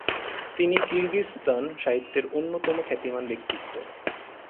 তিনি কিরগিজস্তান সাহিত্যের অন্যতম খ্যাতিমান ব্যক্তিত্ব।